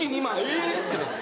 えぇ⁉ってなって。